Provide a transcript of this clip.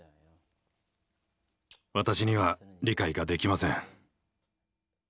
私には理解ができません。